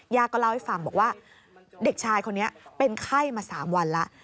ก็เล่าให้ฟังบอกว่าเด็กชายคนนี้เป็นไข้มา๓วันแล้ว